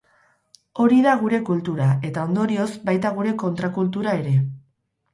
Hori da gure kultura, eta, ondorioz, baita gure kontrakultura ere.